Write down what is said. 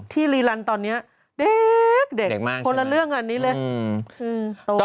ที่รีลันต์ตอนเนี้ยเด็กเด็กมากคนละเรื่องอันนี้เลยอืมตัวเยอะ